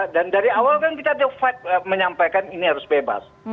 dan dari awal kan kita menyampaikan ini harus bebas